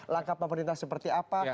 langkah pemerintah seperti apa